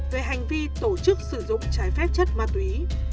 về hành vi tổ chức sử dụng trái phép chất ma túy